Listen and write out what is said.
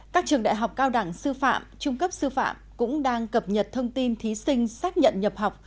các trường đại học cao đẳng sư phạm trung cấp sư phạm cũng đang cập nhật thông tin thí sinh xác nhận nhập học